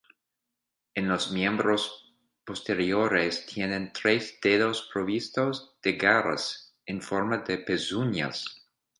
En los miembros posteriores tienen tres dedos provistos de garras, en forma de pezuñas.